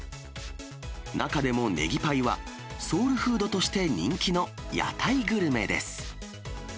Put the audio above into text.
中でもネギパイは、ソウルフードとして人気の屋台グルメです。